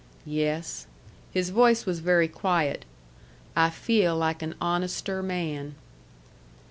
"Yes." His voice was very quiet. "I feel like an honester man."